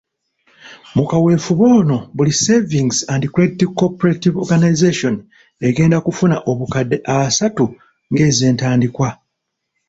Mu kaweefube ono buli Savings and Credit Cooperative Organisation egenda kufuna obukadde asatu ng'ezentandikwa.